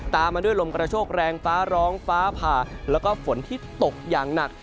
ตามมาด้วยลมกระโชคแรงฟ้าร้องฟ้าผ่าแล้วก็ฝนที่ตกอย่างหนัก